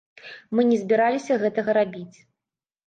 Мы не збіраліся гэтага рабіць.